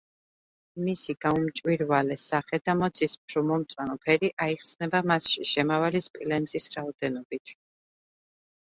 მისი გაუმჭვირვალე სახე და მოცისფრო-მომწვანო ფერი აიხსნება მასში შემავალი სპილენძის რაოდენობით.